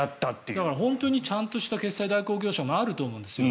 だから本当にちゃんとした決済代行業者もあると思うんですよ。